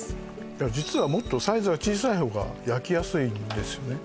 実はもっとサイズが小さい方が焼きやすいんですよね